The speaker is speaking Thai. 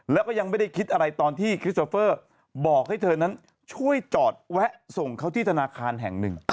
แล้วก็ยังไม่ได้คิดอะไรตอนที่คริสเตอร์เฟอร์บอกให้เธอนั้นช่วยจอดแวะส่งเขาที่ธนาคารแห่งหนึ่ง